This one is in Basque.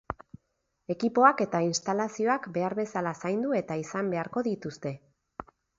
Ekipoak eta instalazioak behar bezala zaindu eta izan beharko dituzte.